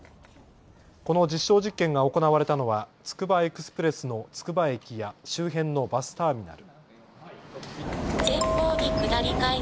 この実証実験が行われたのはつくばエクスプレスのつくば駅や周辺のバスターミナル。